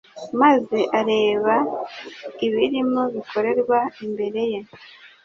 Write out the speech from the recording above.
maze areba ibirimo bikorerwa imbere ye.